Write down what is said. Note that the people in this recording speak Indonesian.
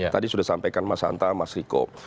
tadi sudah sampaikan mas hanta mas riko